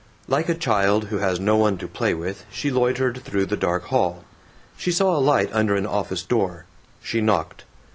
Like a child who has no one to play with she loitered through the dark hall. She saw a light under an office door. She knocked.